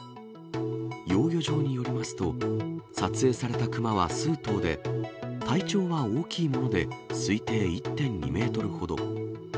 養魚場によりますと、撮影された熊は数頭で、体長は大きいもので推定１．２メートルほど。